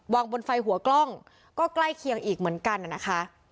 บนไฟหัวกล้องก็ใกล้เคียงอีกเหมือนกันนะคะ